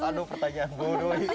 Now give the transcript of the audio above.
aduh pertanyaan bodoh itu